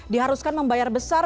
diharuskan membayar besar